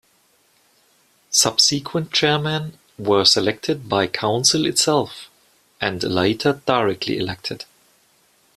Subsequent chairmen were selected by Council itself, and later directly elected.